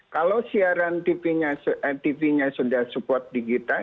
kalau siaran tv nya sudah support digital